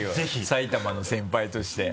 埼玉の先輩として。